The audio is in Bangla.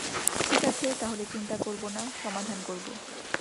ঠিকাছে, তাহলে, চিন্তা করবো না, সমাধান করবো।